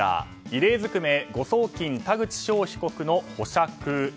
異例ずくめ誤送金、田口翔被告の保釈。